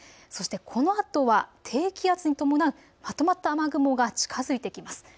そしてこのあとは低気圧に伴うまとまった雨雲が近づいてきます。